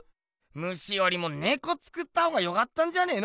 ムシよりもネコ作ったほうがよかったんじゃねえの？